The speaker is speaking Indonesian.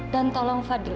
dan tolong fadil